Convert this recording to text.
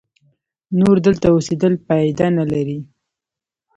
نور دلته اوسېدل پایده نه لري.